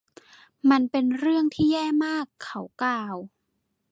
มันเป็นเรื่องที่แย่มาก เขากล่าว